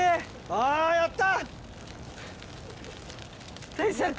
あぁやった！